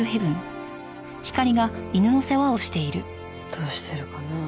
どうしてるかなあ？